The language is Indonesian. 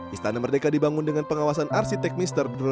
istana merdeka dibangun dengan pengawasan arsitek mister durosares